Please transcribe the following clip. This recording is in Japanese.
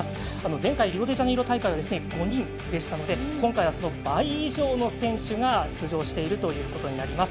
前回リオデジャネイロ大会は５人でしたので今回はその倍以上の選手が出場しているということになります。